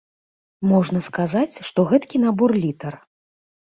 Можна сказаць, што гэткі набор літар.